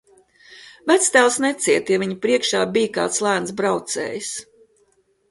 Vectēvs necieta, ja viņa priekšā bija kāds lēns braucējs.